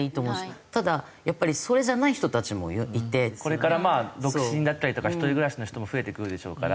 これから独身だったりとか一人暮らしの人も増えてくるでしょうから。